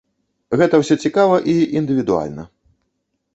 Гэта ўсё цікава і індывідуальна.